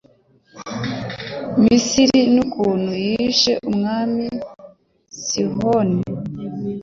Misiri n ukuntu yishe umwami Sihoni